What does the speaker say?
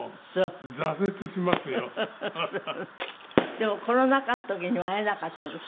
でもコロナ禍の時には会えなかったでしょ？